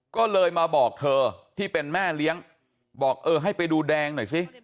ก็เลยมาบอกเธอที่เป็นแม่เลี้ยงบอกเออให้ไปดูแดงหน่อยสิ